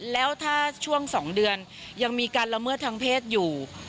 แล้วถ้าช่วง๒เดือนยังมีการละเมิดทางเพศอยู่